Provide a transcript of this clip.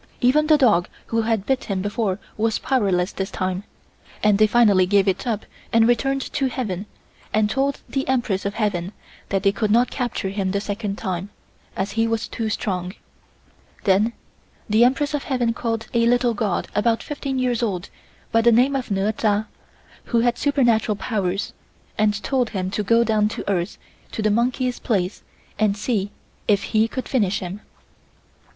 Even the dog who had bit him before was powerless this time, and they finally gave it up and returned to heaven and told the Empress of Heaven that they could not capture him the second time, as he was too strong. Then the Empress of Heaven called a little god about fifteen years old by the name of Neur Cha, who had supernatural powers, and told him to go down to earth to the monkey's place and see if he could finish him.